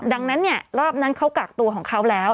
ดังนั้นเนี่ยรอบนั้นเขากักตัวของเขาแล้ว